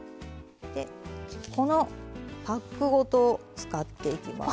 このパックごと使っていきます。